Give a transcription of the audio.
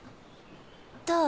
どう？